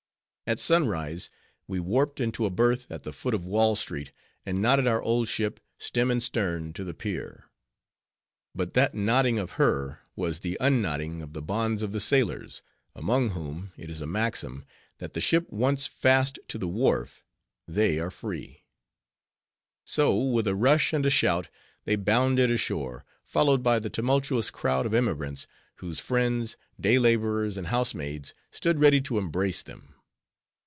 At sunrise, we warped into a berth at the foot of Wall street, and knotted our old ship, stem and stern, to the pier. But that knotting of her, was the unknotting of the bonds of the sailors, among whom, it is a maxim, that the ship once fast to the wharf, they are free. So with a rush and a shout, they bounded ashore, followed by the tumultuous crowd of emigrants, whose friends, day laborers and housemaids, stood ready to embrace them.